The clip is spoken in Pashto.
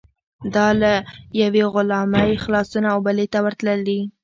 دا له یوې غلامۍ خلاصون او بلې ته ورتلل دي.